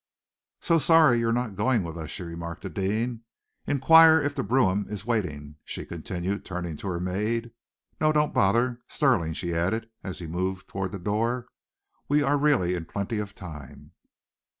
"So sorry you are not going with us," she remarked to Deane. "Inquire if the brougham is waiting," she continued, turning to her maid. "No, don't bother, Stirling," she added, as he moved toward the door. "We are really in plenty of time."